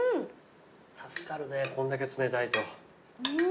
助かるねこんだけ冷たいと。